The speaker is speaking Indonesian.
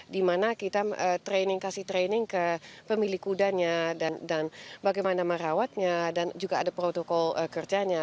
dimana kita kasih training ke pemilik kudanya dan bagaimana merawatnya dan juga ada protokol kerjanya